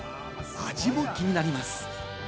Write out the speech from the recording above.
味も気になります。